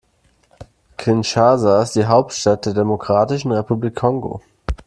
Kinshasa ist die Hauptstadt der Demokratischen Republik Kongo.